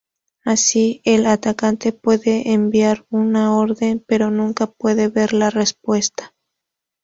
Así, el atacante puede enviar una orden, pero nunca puede ver la respuesta.